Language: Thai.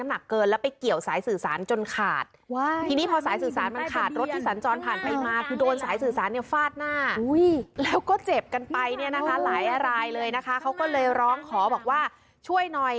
มาแก้ไขให้หน่อย